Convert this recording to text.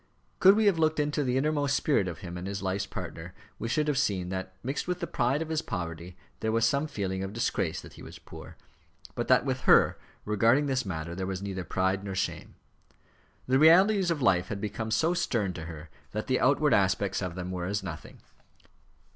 Could we have looked into the innermost spirit of him and his life's partner, we should have seen that mixed with the pride of his poverty there was some feeling of disgrace that he was poor, but that with her, regarding this matter, there was neither pride nor shame. The realities of life had become so stern to her that the outward aspects of them were as nothing.